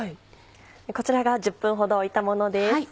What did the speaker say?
こちらが１０分ほど置いたものです。